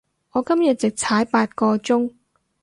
我今日直踩八個鐘